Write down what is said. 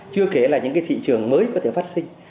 chưa kể là những cái thị trường mới có thể phát sinh